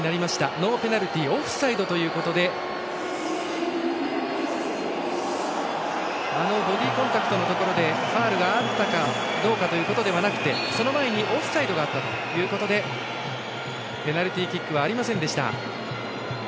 ノーペナルティーオフサイドということでボディーコンタクトのところでファウルがあったかどうかということではなくてその前にオフサイドがあったということでペナルティーキックはありませんでした。